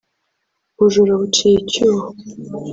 ubujura buciye icyuho